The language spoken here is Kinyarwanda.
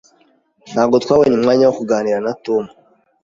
Ntabwo twabonye umwanya wo kuganira na Tom.